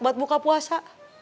buat buka puasa